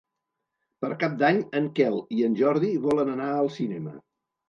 Per Cap d'Any en Quel i en Jordi volen anar al cinema.